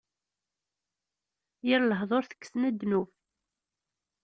Yir lehduṛ, tekksen ddnub;